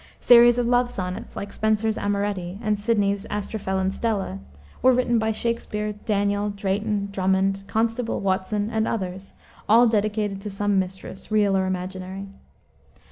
Series of love sonnets, like Spenser's Amoretti and Sidney's Astrophel and Stella, were written by Shakspere, Daniel, Drayton, Drummond, Constable, Watson, and others, all dedicated to some mistress real or imaginary.